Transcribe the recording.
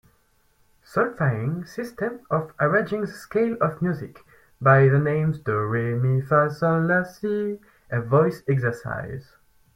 Solfaing system of arranging the scale of music by the names do, re, mi, fa, sol, la, si a voice exercise.